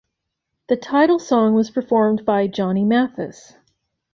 The title song was performed by Johnny Mathis.